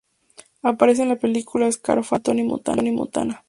Aparece en la película Scarface del gran Tony Montana.